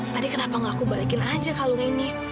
tadi kenapa gak aku balikin aja kalung ini